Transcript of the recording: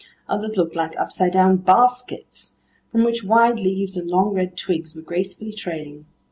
Others looked like upside down baskets from which wide leaves and long red twigs were gracefully trailing.